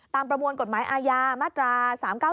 ประมวลกฎหมายอาญามาตรา๓๙